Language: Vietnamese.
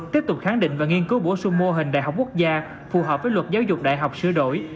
tiếp tục kháng định và nghiên cứu bổ sung mô hình đại học quốc gia phù hợp với luật giáo dục đại học sửa đổi